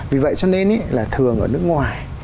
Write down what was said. vì vậy cho nên là thường ở nước ngoài